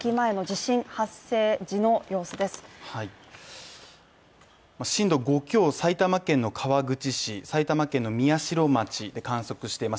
震度５強、埼玉県の川口市、埼玉県宮代町で観測しています。